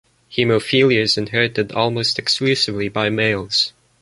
Hemophilia is inherited almost exclusively by males.